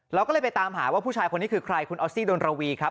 เราก็เลยไปตามหาว่าผู้ชายคนนี้คือใครคุณออสซี่ดนรวีครับ